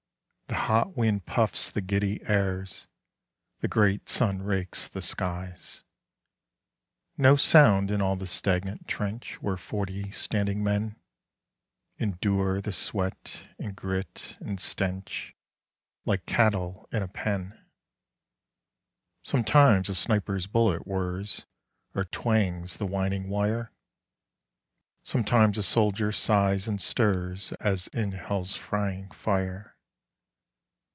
The hot wind puffs the giddy airs.... The great sun rakes the skies. No sound in all the stagnant trench Where forty standing men Endure the sweat and grit and stench, Like cattle in a pen. Sometimes a sniper's bullet whirs Or twangs the whining wire; Sometimes a soldier sighs and stirs As in hell's frying fire.